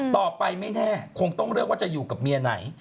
ต่อไปไม่แน่คงต้องเลือกว่าจะอยู่กับเมียไหน